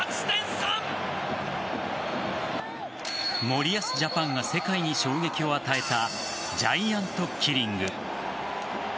森保ジャパンが世界に衝撃を与えたジャイアントキリング。